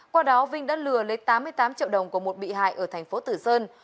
qua đó vinh đã lừa lấy tám mươi tám triệu đồng của một bị hại ở thành phố tử sơn